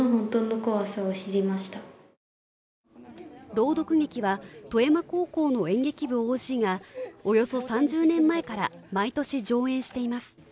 朗読劇は富山高校の演劇部ＯＧがおよそ３０年前から毎年上演しています。